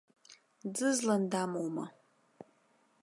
Ӡызлан дамоума?